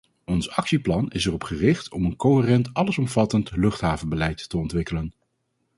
Ons actieplan is erop gericht om een coherent allesomvattend luchthavenbeleid te ontwikkelen.